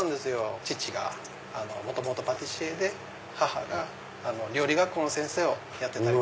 父が元々パティシエで母が料理学校の先生をやってた。